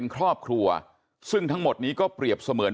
ลาออกจากหัวหน้าพรรคเพื่อไทยอย่างเดียวเนี่ย